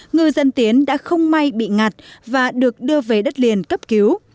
người dân tiến đã không may bị ngặt và được đưa về đất liền cấp cứu